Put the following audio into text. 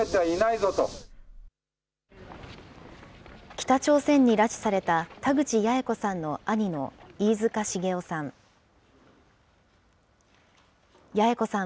北朝鮮に拉致された田口八重子さんの兄の飯塚繁雄さん。